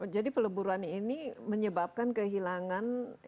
jadi peleburan ini menyebabkan kehilangan